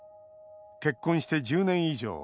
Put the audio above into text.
結婚して１０年以上。